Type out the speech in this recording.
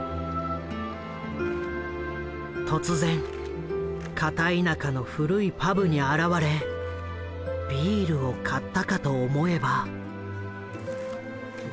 突然片田舎の古いパブに現れビールを買ったかと思えば。